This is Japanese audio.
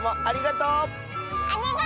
ありがとう！